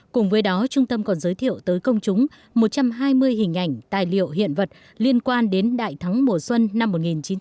cùng với đó trung tâm còn giới thiệu tới công chúng một trăm hai mươi hình ảnh tài liệu hiện vật liên quan đến đại thắng mùa xuân năm một nghìn chín trăm bảy mươi năm